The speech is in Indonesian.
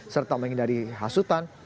serta menghindari hasutan